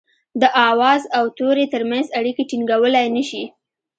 د آواز او توري ترمنځ اړيکي ټيڼګولای نه شي